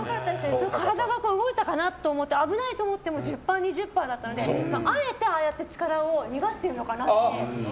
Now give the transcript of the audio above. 体が動いたかなと思って危ないと思っても１０％、２０％だったのであえて、ああやって力を逃しているのかなって。